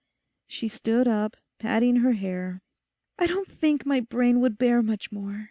She stood up, patting her hair. 'I don't think my brain would bear much more.